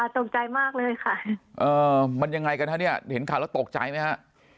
ตกใจมากเลยค่ะมันยังไงกันฮะเนี่ยเห็นข่าวแล้วตกใจไหมฮะ